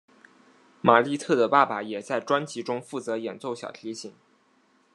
玛莉特的爸爸也在专辑中负责演奏小提琴。